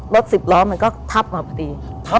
ลด๑๐ล้อก็ถับมาปฏี